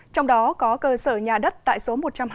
trong đó có cơ sở nhà đất tại số một trăm linh